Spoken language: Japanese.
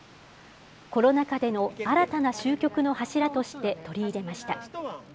コロナ禍での新たな集客の柱として取り入れました。